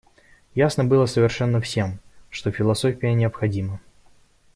Ясно было совершенно всем, что философия необходима.